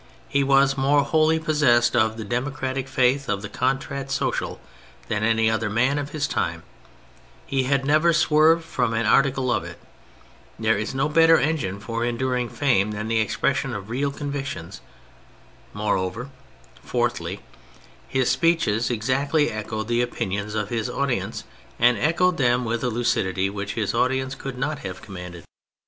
He was more wholly possessed of the democratic faith of the Contrat Social than any other man of his time : he had never swerved from an article of it. There is no better engine for enduring fame than the expression of real convictions. IMore over — Fourthly, his speeches exactly echoed the opinions of his audience, and echoed them with a lucidity which his audience could not have commanded.